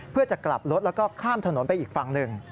เพื่อจะกลับรถแล้วก็ข้ามถนนไปอีกฝั่งหนึ่ง